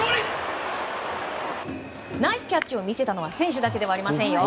ナイスキャッチを見せたのは選手だけではありませんよ。